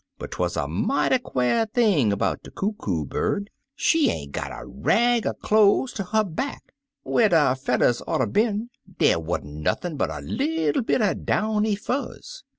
But *twuz a mighty quare thing 'bout de Coo Coo Bird: she ain't gpt a rag er cloze ter 'er back. Whar de feathers oughter been dey wa'n't nothin' but a little bit er downy fuzz.